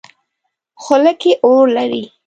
خوله کې اور لري.